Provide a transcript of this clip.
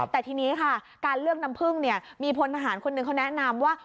แต่ทีนี้ค่ะการเลือกน้ำพึ่งมีพลทหารคนหนึ่งเขาแนะนำว่า